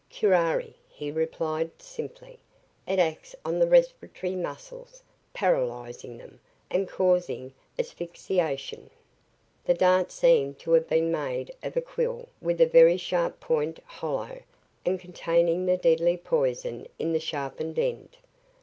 "Curari," he replied simply. "It acts on the respiratory muscles, paralyzing them, and causing asphyxiation." The dart seemed to have been made of a quill with a very sharp point, hollow, and containing the deadly poison in the sharpened end.